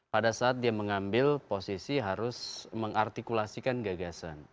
pada saat dia mengambil posisi harus mengartikulasikan gagasan